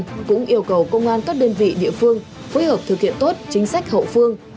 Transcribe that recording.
công an cũng yêu cầu công an các đơn vị địa phương phối hợp thực hiện tốt chính sách hậu phương